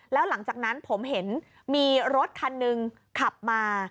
แล้วหลังจากนั้นผมเห็นมีรถคันหนึ่งขับมา